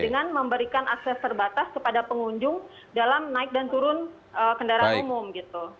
dengan memberikan akses terbatas kepada pengunjung dalam naik dan turun kendaraan umum gitu